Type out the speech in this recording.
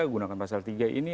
gunakan pasal tiga ini